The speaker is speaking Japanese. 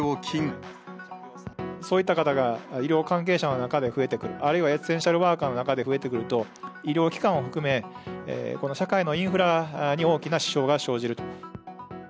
そういった方が医療関係者の中で増えてくる、あるいはエッセンシャルワーカーの中で増えてくると、医療機関を含め、この社会のインフラに大きな支障が生じると。